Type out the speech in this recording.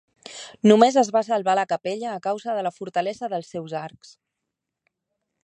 Només es va salvar la capella a causa de la fortalesa dels seus arcs.